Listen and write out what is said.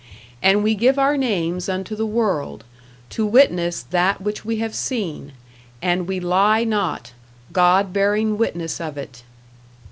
And we give our names unto the world, to witness that which we have seen, and we lie not, God bearing witness of it.